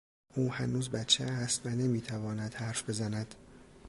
او هنوز بچه است و نمیتواند حرف بزند.